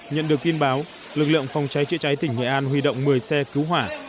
nhận được tin báo lực lượng phòng cháy chữa cháy tỉnh nghệ an huy động một mươi xe cứu hỏa